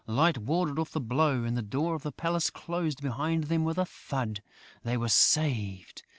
Light warded off the blow; and the door of the palace closed behind them with a thud. They were saved!...